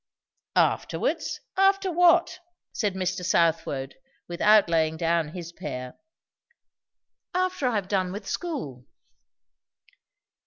"Afterwards? After what?" said Mr. Southwode, without laying down his pear. "After I have done with school."